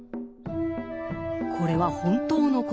これは本当のことか。